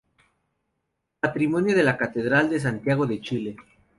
Patrimonio de la Catedral de Santiago de Chile.